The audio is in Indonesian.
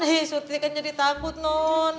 hih surti kan jadi takut nun